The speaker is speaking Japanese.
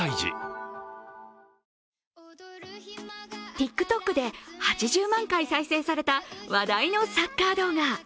ＴｉｋＴｏｋで８０万回再生された話題のサッカー動画。